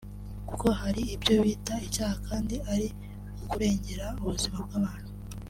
kuko hari ibyo bita icyaha kandi ari ukurengera ubuzima bw’abantu